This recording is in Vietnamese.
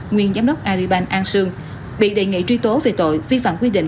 nguyên giám đốc aribank an sương bị đề nghị truy tố về tội vi phạm quy định